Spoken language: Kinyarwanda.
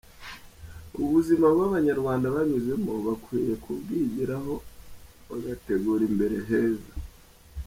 ubuzima bubi abanyarwanda banyuzemo bakwiye kubwigiraho bagategura imbere heza.